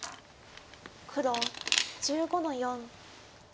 黒１５の四。